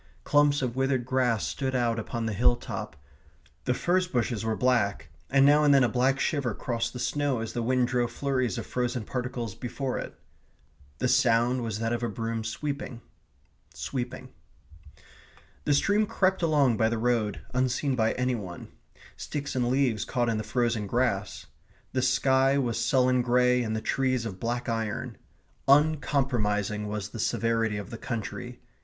Clumps of withered grass stood out upon the hill top; the furze bushes were black, and now and then a black shiver crossed the snow as the wind drove flurries of frozen particles before it. The sound was that of a broom sweeping sweeping. The stream crept along by the road unseen by any one. Sticks and leaves caught in the frozen grass. The sky was sullen grey and the trees of black iron. Uncompromising was the severity of the country.